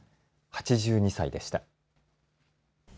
８２歳でした。